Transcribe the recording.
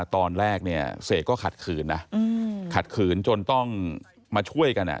ตอนแรกเนี่ยเสกก็ขัดขืนนะขัดขืนจนต้องมาช่วยกัน